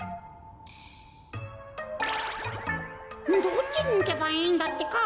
どっちにいけばいいんだってか？